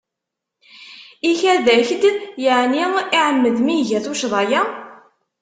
Ikad-ak-d yeεni iεemmed mi iga tuccḍa-ya?